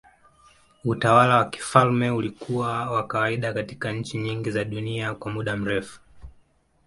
Utawala wa kifalme ulikuwa wa kawaida katika nchi nyingi za dunia kwa muda mrefu.